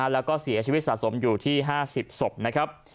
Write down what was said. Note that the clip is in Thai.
แล้วก็เสียชีวิตสะสมอยู่ที่๕๐ศพนะครับ